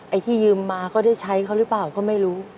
ไอ้ที่ยืมมาก็ได้ใช้เขาหรือเปล่าก็ไม่รู้